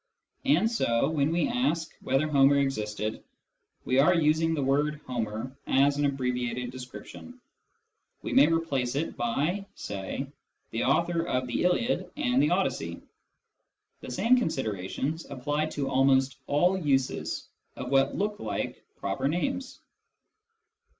And so, when we ask whether Homer existed, we are using the word " Homer " as an abbreviated description : we may replace it by (say) " the author of the Iliad and the Odyssey." The same considerations apply to almost all uses of what look like proper names.